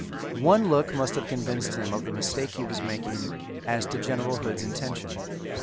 One look must have convinced him of the mistake he was making as to General Hood's intention.